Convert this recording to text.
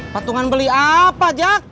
patungan beli apa jack